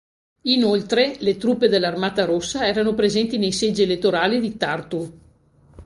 Inoltre, le truppe dell'Armata Rossa erano presenti nei seggi elettorali di Tartu.